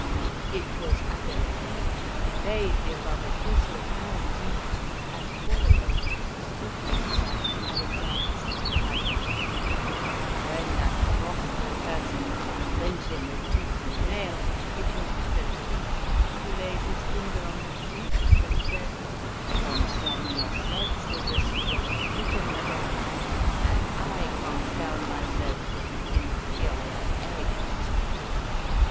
It was Abel Flique who conveyed the above epistle, and Zut, and four of Zut's kittens, to Alexandrine Caille, and, when that wrathful person would have rent him with tooth and nail, it was Abel Flique who laid his finger on his lip, and said, "Concern yourself with the superior kitten, madame, and I concern myself with the inferior eggs!"